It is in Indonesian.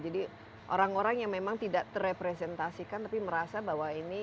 jadi orang orang yang memang tidak terrepresentasikan tapi merasa bahwa ini